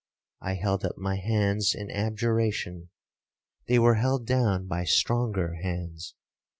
I held up my hands in abjuration—they were held down by stronger hands.